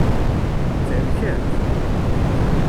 Thelkemt?